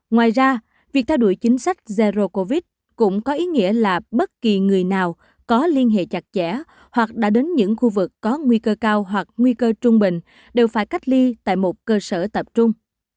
ngoài ra việc theo đuổi chính sách zero covid cũng có ý nghĩa là bất kỳ người nào có liên hệ chặt chẽ hoặc đã đến những khu vực có nguy cơ cao hoặc nguy cơ trung bình đều phải cách ly tại một cơ sở tập trung